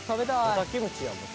「豚キムチやもん。